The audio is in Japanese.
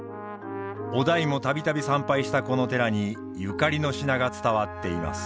於大も度々参拝したこの寺にゆかりの品が伝わっています。